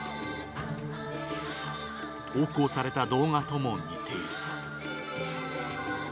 投稿された動画とも似ている。